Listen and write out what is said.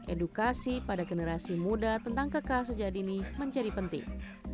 edukasi pada generasi muda tentang kekah sejadinya menjadi penting